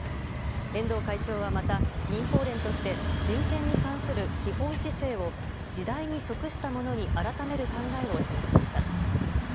遠藤会長はまた、民放連として人権に対する基本姿勢を時代に即したものに改める考えを示しました。